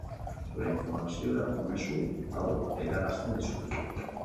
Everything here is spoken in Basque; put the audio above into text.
Zure informaziorako, mezu hau helarazten dizut